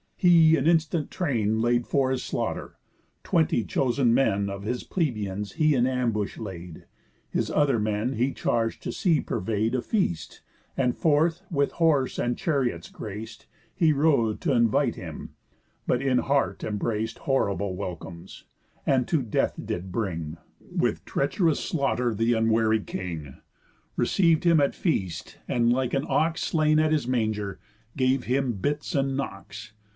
He an instant train Laid for his slaughter: Twenty chosen men Of his plebeians he in ambush laid; His other men he charg'd to see purvey'd A feast; and forth, with horse and chariots grac'd, He rode t' invite him, but in heart embrac'd Horrible welcomes, and to death did bring, With treach'rous slaughter, the unwary king, Receiv'd him at a feast, and, like an ox Slain at his manger, gave him bits and knocks.